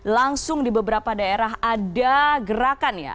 langsung di beberapa daerah ada gerakan ya